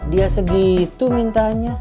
dia segitu mintanya